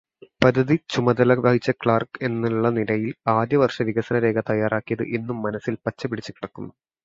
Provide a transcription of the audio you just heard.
പദ്ധതിച്ചുമതല വഹിച്ച ക്ലർക്ക് എന്നുള്ള നിലയിൽ ആദ്യവർഷ വികസനരേഖ തയ്യാറാക്കിയത് ഇന്നും മനസ്സിൽ പച്ചപിടിച്ചു കിടക്കുന്നു.